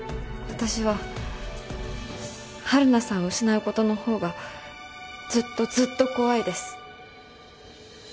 私は晴汝さんを失うことのほうがずっとずっと怖いです。